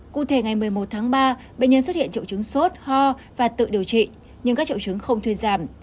cụ thể ngày một mươi một tháng ba bệnh nhân xuất hiện trậu trứng sốt ho và tự điều trị nhưng các trậu trứng không thuyên giảm